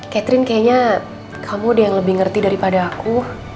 catherine kayaknya kamu deh yang lebih ngerti daripada aku